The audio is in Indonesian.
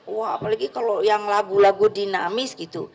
wah apalagi kalau yang lagu lagu dinamis gitu